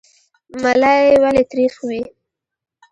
ملی ولې تریخ وي؟